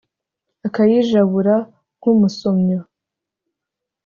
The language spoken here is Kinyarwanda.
akayijabura nk'umusomyo